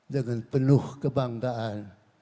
dengan penuh kebanggaan